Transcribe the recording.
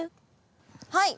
はい！